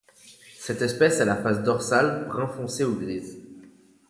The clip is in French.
Cette espèce a la face dorsale brun foncé ou grise.